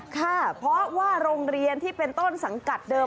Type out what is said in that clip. ค่ะเพราะว่าโรงเรียนที่เป็นต้นสังกัดเดิม